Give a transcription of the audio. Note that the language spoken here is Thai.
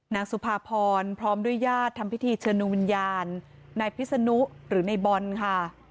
นางสุภาพรพร้อมด้วยญาติทำพิธีเชิญดวงวิญญาณนายพิษนุหรือในบอลค่ะ